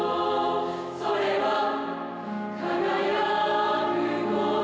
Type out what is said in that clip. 「それは輝くこと」